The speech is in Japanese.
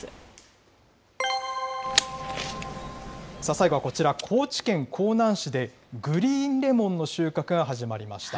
最後はこちら、高知県香南市でグリーンレモンの収穫が始まりました。